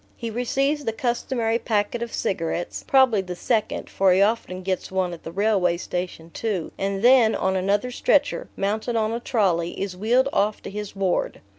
He receives the customary packet of cigarettes (probably the second, for he often gets one at the railway station too), and then, on another stretcher, mounted on a trolley, is wheeled off to his ward.